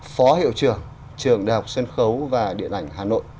phó hiệu trưởng trường đại học sân khấu và điện ảnh hà nội